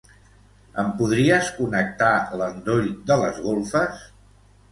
Em podries connectar l'endoll de les golfes?